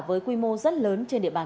với quy mô rất lớn trên địa bàn